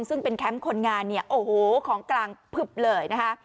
ซึ่งเป็นแคมป์คนงานเนี่ยโอ้โหของกลางพึบเลยนะคะ